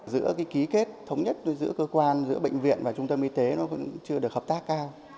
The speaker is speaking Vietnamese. giữa cái ký kết thống nhất giữa cơ quan giữa bệnh viện và trung tâm y tế nó vẫn chưa được hợp tác cao